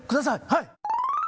はい！